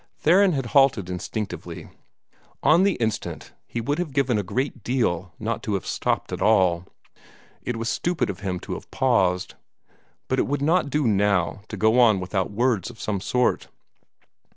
Theron had halted instinctively. On the instant he would have given a great deal not to have stopped at all. It was stupid of him to have paused, but it would not do now to go on without words of some sort.